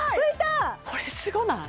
これすごない？